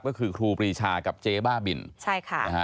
ก็คือครูปรีชากับเจ๊บ้าบินใช่ค่ะนะฮะ